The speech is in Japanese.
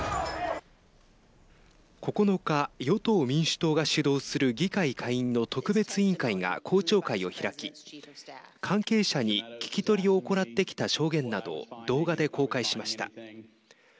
９日、与党・民主党が主導する議会下院の特別委員会が公聴会を開き関係者に聞き取りを行ってきた証言などを動画で公開しました。